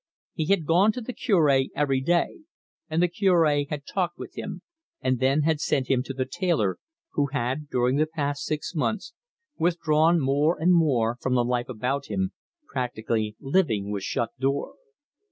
He had gone to the Cure every day, and the Cure had talked with him, and then had sent him to the tailor, who had, during the past six months, withdrawn more and more from the life about him, practically living with shut door.